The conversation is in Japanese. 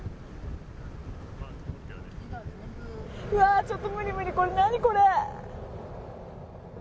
うわー、ちょっと無理無理、これ、何これ。